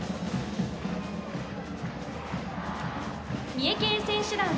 三重県選手団。